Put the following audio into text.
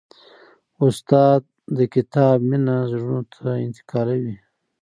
استاد د کتاب مینه زړونو ته انتقالوي.